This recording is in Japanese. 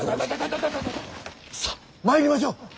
さあ参りましょう！